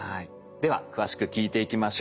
では詳しく聞いていきましょう。